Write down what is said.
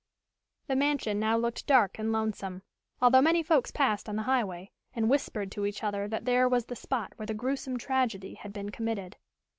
The mansion now looked dark and lonesome, although many folks passed on the highway and whispered to each other that there was the spot where the gruesome tragedy had been committed.